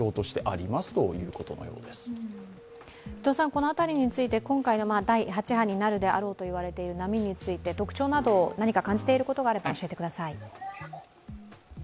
この辺りについて、今回、第８波になるだろうと言われている特徴など、何か感じていることがあれば教えてください。